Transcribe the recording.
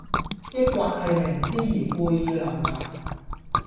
抑或係明知而故意留難?